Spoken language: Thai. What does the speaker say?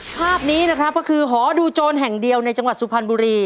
ภาพนี้นะครับก็คือหอดูโจรแห่งเดียวในจังหวัดสุพรรณบุรี